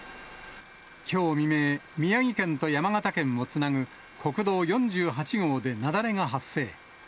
きょう未明、宮城県と山形県をつなぐ国道４８号で雪崩が発生。